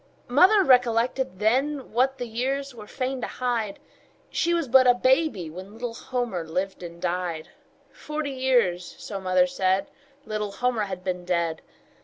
Mother recollected then What the years were fain to hide She was but a baby when Little Homer lived and died; Forty years, so mother said, Little Homer had been dead.